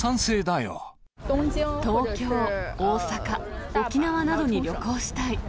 東京、大阪、沖縄などに旅行したい。